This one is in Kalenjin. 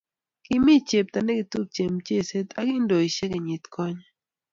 Kimi chepto ne ketupche mcheset ab kiondoisheck kenyit konye